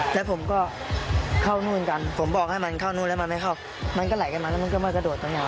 แล้วผมก็เข้านู่นกันผมบอกให้มันเข้านู่นแล้วมันไม่เข้ามันก็ไหลกันมาแล้วมันก็มากระโดดตรงไหน